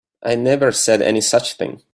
I never said any such thing.